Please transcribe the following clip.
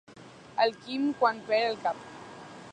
En Quim quan perd el cap.